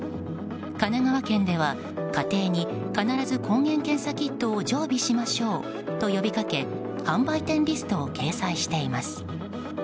神奈川県では家庭に必ず抗原検査キットを常備しましょうと呼びかけ販売店リストを掲載しています。